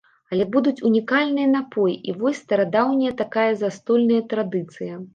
Але будуць унікальныя напоі, і вось старадаўняя такая застольная традыцыя.